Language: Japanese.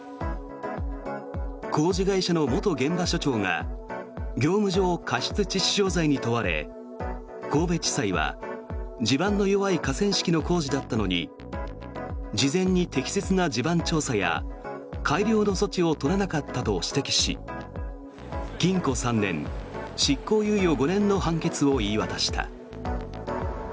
工事会社の元現場所長が業務上過失致死傷罪に問われ神戸地裁は、地盤の弱い河川敷の工事だったのに事前に適切な地盤調査や改良の措置を取らなかったと指摘し禁錮３年、執行猶予５年の判決を言い渡した。